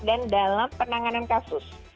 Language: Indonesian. dan dalam penanganan kasus